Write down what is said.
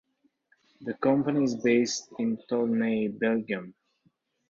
The company is based in Tournai, Belgium.